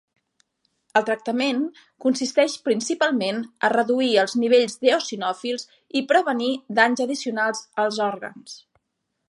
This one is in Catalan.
El tractament consisteix principalment a reduir els nivells d'eosinòfils i prevenir danys addicionals als òrgans.